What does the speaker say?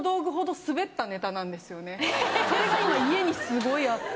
それが今家にすごいあって。